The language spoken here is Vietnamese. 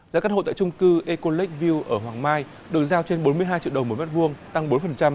giá căn hộ tại trung cư ecolec view ở hoàng mai được giao trên bốn mươi hai triệu đồng một mét vuông tăng bốn